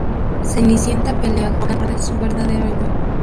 Cenicienta pelea con Roja, logrando que Roja recuerde su verdadero yo.